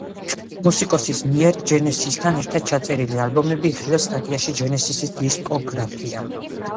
მუსიკოსის მიერ ჯენესისთან ერთად ჩაწერილი ალბომები იხილეთ სტატიაში ჯენესისის დისკოგრაფია.